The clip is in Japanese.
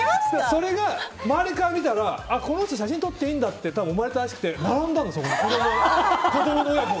それが周りから見たらこの人写真撮っていいんだって思われたらしくて並んだの、そこに。